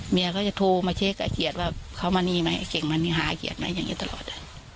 เมียก็จะโทรมาเช็คอาเกียร์ว่าเขามานี่ไหมอาเก่งมานี่หาอาเก่งไหมอย่างนี้ตลอด